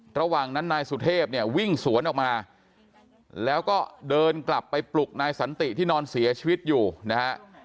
ระหว่างนั้นนายสุเทพเนี่ยวิ่งสวนออกมาแล้วก็เดินกลับไปปลุกนายสันติที่นอนเสียชีวิตอยู่นะฮะ